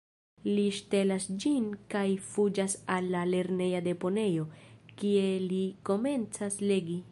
Li ŝtelas ĝin kaj fuĝas al la lerneja deponejo, kie li komencas legi.